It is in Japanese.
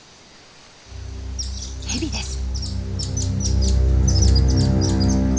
ヘビです。